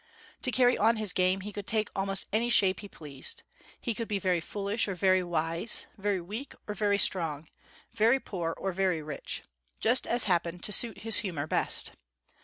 To carry on his game, he could take almost any shape he pleased; he could be very foolish or very wise; very weak or very strong; very poor or very rich just as happened to suit his humor best.